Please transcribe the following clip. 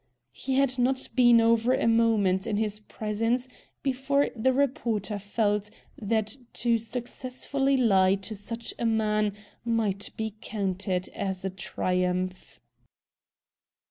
He had not been over a moment in his presence before the reporter felt that to successfully lie to such a man might be counted as a triumph.